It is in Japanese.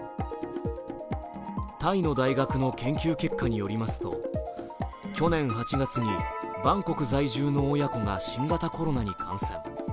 タイの大学の研究結果によりますと、去年８月にバンコク在住の親子が新型コロナに感染。